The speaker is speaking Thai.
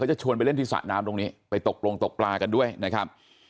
จะชวนไปเล่นที่สระน้ำตรงนี้ไปตกลงตกปลากันด้วยนะครับ